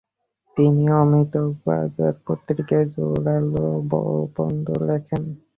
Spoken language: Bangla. তিনি অমৃরতবাজার পত্রিকায় জোরালো প্রবন্ধ লেখেন।